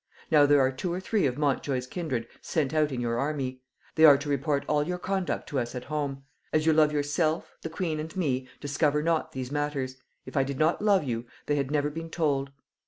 Now there are two or three of Montjoy's kindred sent out in your army; they are to report all your conduct to us at home. As you love yourself, the queen and me, discover not these matters; if I did not love you, they had never been told.